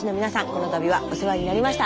この度はお世話になりました。